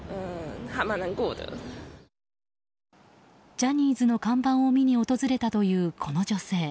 ジャニーズの看板を見に訪れたというこの女性。